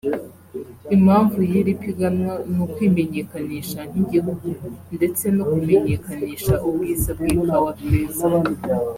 Impamvu y’iri piganwa ni ukwimenyekanisha nk’igihugu ndetse no kumenyekanisha ubwiza bw’i kawa tweza”